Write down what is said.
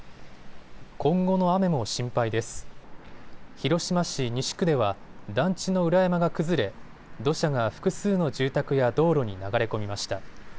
広島市西区では団地の裏山が崩れ、土砂が複数の住宅や道路に流れ込みました。